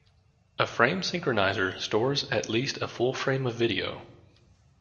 A frame synchronizer stores at least a full frame of video.